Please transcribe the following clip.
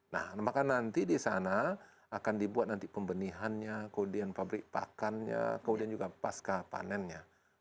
nah maka nanti di sana akan dibuat nanti pembenihannya kemudian pabrik pakannya kemudian juga pasca panennya